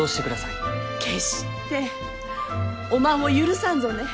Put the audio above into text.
決しておまんを許さんぞね！